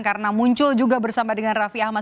karena muncul juga bersama dengan raffi ahmad